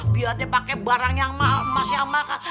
biasanya pakai barang yang emas yang makas